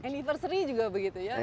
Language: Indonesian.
anniversary juga begitu ya